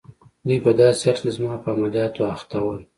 دوی په داسې حال کې چي زما په عملیاتو اخته ول.